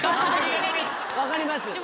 わかります。